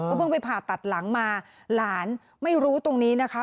เพิ่งไปผ่าตัดหลังมาหลานไม่รู้ตรงนี้นะคะ